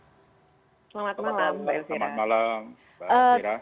selamat malam mbak yusira